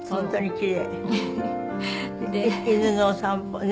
犬のお散歩猫？